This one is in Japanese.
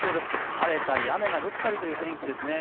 晴れたり雨が降ったりという天気ですね。